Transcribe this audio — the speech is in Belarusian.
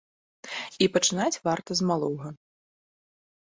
І пачынаць варта з малога.